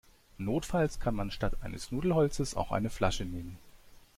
Notfalls kann man statt eines Nudelholzes auch eine Flasche nehmen.